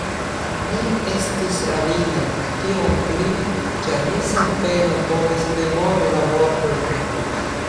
Ni estis ravitaj, tiom pli, ĉar mi sen peno povis memori la vortojn.